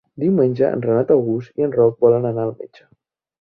Diumenge en Renat August i en Roc volen anar al metge.